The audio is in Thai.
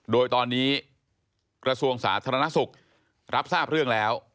โดยตอนนี้กระทรวงสาธารณสุขรับทราบเรื่องแล้ว